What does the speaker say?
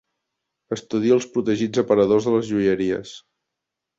Estudia els protegits aparadors de les joieries.